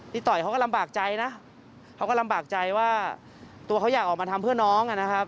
ต่อยเขาก็ลำบากใจนะเขาก็ลำบากใจว่าตัวเขาอยากออกมาทำเพื่อน้องนะครับ